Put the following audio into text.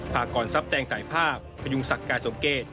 พากรทรัพย์แดงถ่ายภาพพยุงศักดิ์การสมเกต